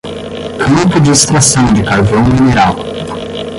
Campo de extração de carvão mineral